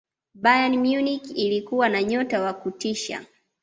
bayern munich ilikuwa na nyota wa kutisha